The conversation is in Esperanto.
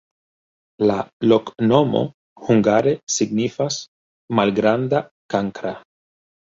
La loknomo hungare signifas: malgranda-kankra.